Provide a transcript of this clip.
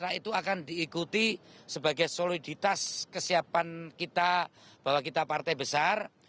karena itu akan diikuti sebagai soliditas kesiapan kita bahwa kita partai besar